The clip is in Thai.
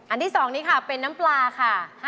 อันที่สองนี่ค่ะเป็นน้ำปลาค่ะ